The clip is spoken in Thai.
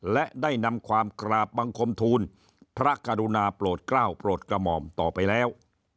และได้นำความกราบบังคมทูลพระกรุณาโปรดกล้าวโปรดกระหม่อมต่อไปแล้ว